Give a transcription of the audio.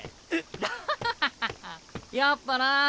やっぱな。